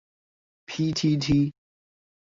批踢踢